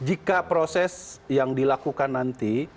jika proses yang dilakukan nanti